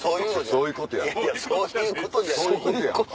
そういうことやんか。